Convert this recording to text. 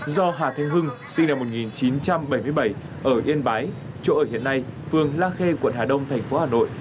do hà thanh hưng sinh năm một nghìn chín trăm bảy mươi bảy ở yên bái chỗ ở hiện nay phường la khê quận hà đông thành phố hà nội